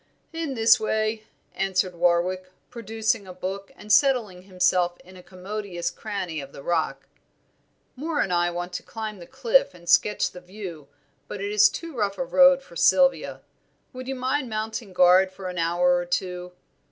"In this way," answered Warwick, producing a book and settling himself in a commodious cranny of the rock. "Moor and I want to climb the cliff and sketch the view; but it is too rough a road for Sylvia. Would you mind mounting guard for an hour or two?